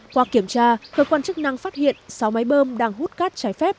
qua kiểm tra cơ quan chức năng phát hiện sáu máy bơm đang hút cát trái phép